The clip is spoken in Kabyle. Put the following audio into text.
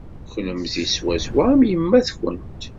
Kennemti swaswa am yemma-twent.